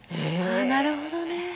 あなるほどね。